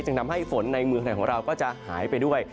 ทำให้ฝนในเมืองไทยของเราก็จะหายไปด้วย